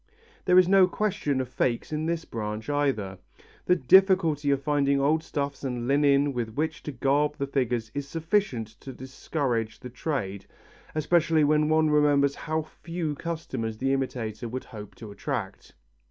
There is no question of fakes in this branch either. The difficulty in finding old stuffs and linen with which to garb the figures is sufficient to discourage the trade, especially when one remembers how few customers the imitator could hope to attract.